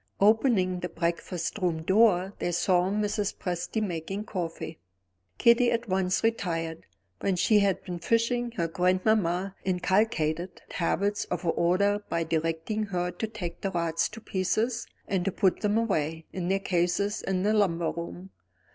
Opening the breakfast room door they saw Mrs. Presty making coffee. Kitty at once retired. When she had been fishing, her grandmamma inculcated habits of order by directing her to take the rods to pieces, and to put them away in their cases in the lumber room.